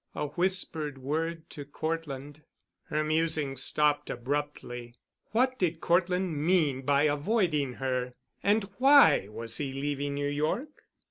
A whispered word to Cortland—— Her musing stopped abruptly. What did Cortland mean by avoiding her? And why was he leaving New York?